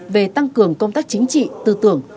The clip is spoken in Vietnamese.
về tăng cường công tác chính trị tư tưởng